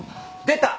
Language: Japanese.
出た！